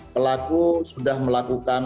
pelaku sudah melakukan